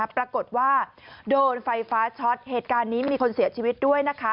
ปรากฏว่าโดนไฟฟ้าช็อตเหตุการณ์นี้มีคนเสียชีวิตด้วยนะคะ